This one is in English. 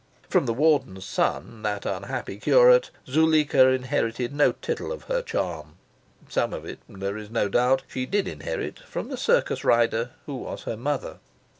(From the Warden's son, that unhappy curate, Zuleika inherited no tittle of her charm. Some of it, there is no doubt, she did inherit from the circus rider who was her mother.)